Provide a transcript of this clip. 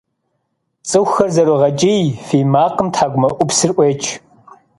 Цӏыхухэр зэрогъэкӏий, фий макъым тхьэкӏумэӏупсыр ӏуеч.